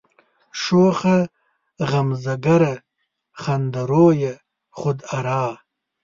شوخه غمزه گره، خنده رویه، خود آرا